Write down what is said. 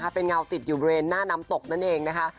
เป็นเงาติดอยู่บริเวณหน้าน้ำตกนั่นเองนะคะ